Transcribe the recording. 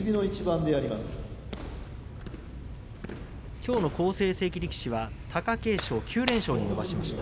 きょうの好成績力士は貴景勝、９連勝と伸ばしました。